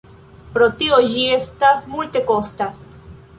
Pro tio ĝi estas multekosta.